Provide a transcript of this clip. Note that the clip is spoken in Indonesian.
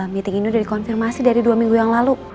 meeting ini sudah dikonfirmasi dari dua minggu yang lalu